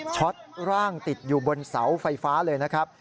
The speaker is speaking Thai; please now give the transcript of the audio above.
ตร่างติดอยู่บนเสาไฟฟ้าเลยนะครับ